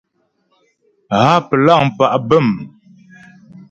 Há plâŋ pá' bə̂m.